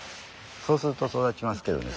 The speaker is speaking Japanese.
そうすると育ちますけどね。